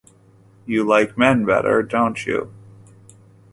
You like men better, don't you?